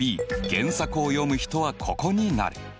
原作を読む人はここになる。